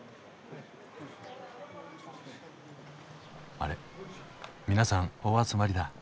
あれ皆さんお集まりだ。